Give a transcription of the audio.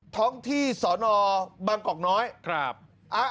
ท้องที่สอนอบางกอกน้อยครับ